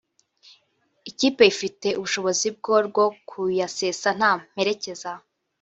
ikipe ifite ubushobozi bwo rwo kuyasesa nta mperekeza